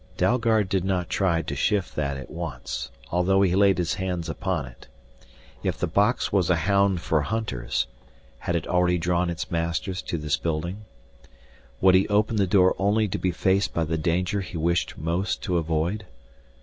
Dalgard did not try to shift that at once, although he laid his hands upon it. If the box was a hound for hunters, had it already drawn its masters to this building? Would he open the door only to be faced by the danger he wished most to avoid?